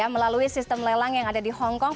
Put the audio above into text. melalui sistem lelang yang ada di hongkong